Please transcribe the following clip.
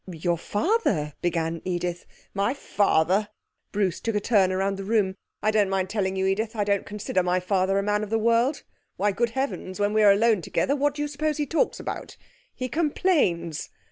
'Your father ' began Edith. 'My father!' Bruce took a turn round the room. 'I don't mind telling you, Edith, I don't consider my father a man of the world. Why, good heavens! when we are alone together, what do you suppose he talks about? He complains!